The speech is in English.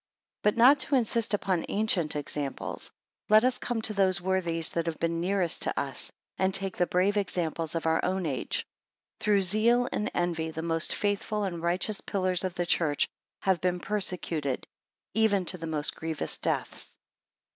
10 But not to insist upon ancient examples, let us come to those worthies that have been nearest to us; and take the brave examples of our own age. 11 Through zeal and envy, the most faithful and righteous pillars of the church have been persecuted even to the most grievous deaths.